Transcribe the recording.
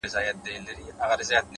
پوهه د امکاناتو دروازې پرلهپسې پرانیزي؛